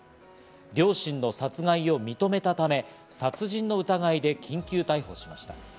両親の殺害を認めたため、殺人の疑いで緊急逮捕しました。